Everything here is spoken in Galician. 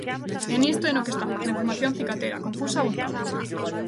E nisto é no que estamos, na información cicatera, confusa á vontade.